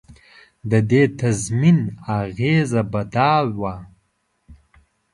د دې تضمین اغېزه به دا وه.